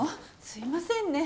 すいませんね。